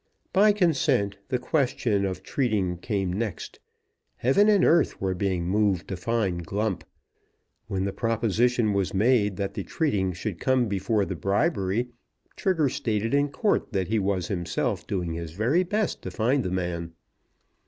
By consent the question of treating came next. Heaven and earth were being moved to find Glump. When the proposition was made that the treating should come before the bribery Trigger stated in court that he was himself doing his very best to find the man.